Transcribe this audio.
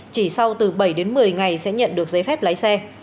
chỉ sau từ bảy đến một mươi ngày sẽ nhận được giấy phép lái xe